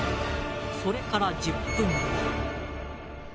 それから１０分後。